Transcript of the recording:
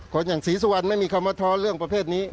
คนอย่างศรีสุวรรณไม่มีคำมาท้อนเรื่องประเภทนี้